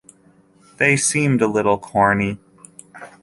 They seemed a little corny.